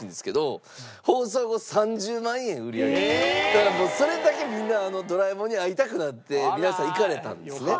だからもうそれだけみんなドラえもんに会いたくなって皆さん行かれたんですね。